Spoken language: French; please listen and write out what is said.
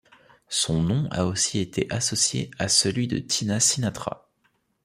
Son nom a aussi été associé à celui de Tina Sinatra.